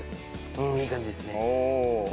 うんいい感じですね。